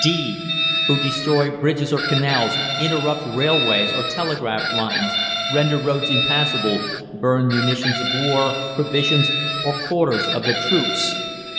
(d) Who destroy bridges or canals, interrupt railways or telegraph lines, render roads impassable, burn munitions of war, provisions, or quarters of the troops.